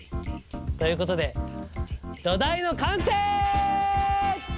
ということで土台の完成！